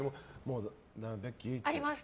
あります。